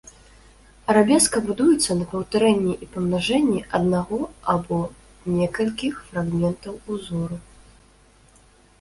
Арабеска будуецца на паўтарэнні і памнажэнні аднаго або некалькіх фрагментаў ўзору.